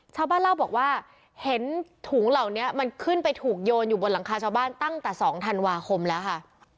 ชาวบ้านเล่าบอกว่าเห็นถุงเหล่านี้มันขึ้นไปถูกโยนอยู่บนหลังคาชาวบ้านตั้งแต่๒ธันวาคมแล้วค่ะ